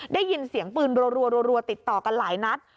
ได้ยินเสียงปืนรัวติดต่อกันหลายนัด